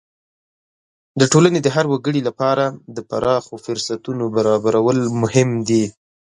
د ټولنې د هر وګړي لپاره د پراخو فرصتونو برابرول مهم دي.